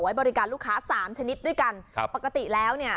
ไว้บริการลูกค้า๓ชนิดด้วยกันปกติแล้วเนี่ย